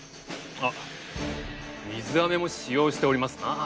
あっ水あめも使用しておりますなぁ。